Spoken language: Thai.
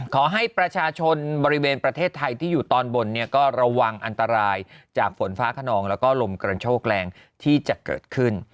ขอให้ประชาชนบริเวณประเทศไทยที่อยู่ตอนบนเนี่ยก็ระวังอันตรายจากฝนฟ้าขนองแล้วก็ลมกระโชกแรงที่จะเกิดขึ้น